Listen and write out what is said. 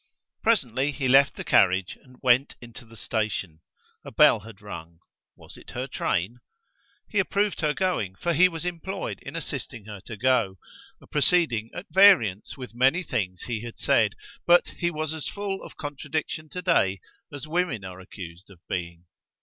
Presently he left the carriage and went into the station: a bell had rung. Was it her train? He approved her going, for he was employed in assisting her to go: a proceeding at variance with many things he had said, but he was as full of contradiction to day as women are accused of being.